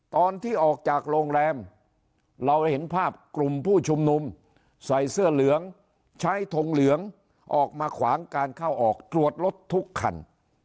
ตอนที่ออกจากโรงแรมเราเห็นภาพกลุ่มผู้ชุมนุมใส่เสื้อเหลืองใช้ทงเหลืองออกมาขวางการเข้าออกตรวจรถทุกคัน